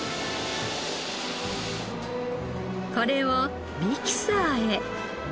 これをミキサーへ。